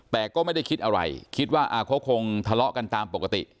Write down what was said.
แต่ก็ไม่ได้คิดอะไรคิดว่าเขาคงทะเลาะกันตามปกติ